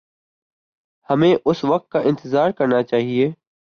ہمیں اس وقت کا انتظار کرنا چاہیے۔